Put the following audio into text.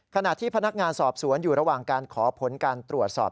ขณะที่พนักงานสอบสวนอยู่ระหว่างการขอผลการตรวจสอบ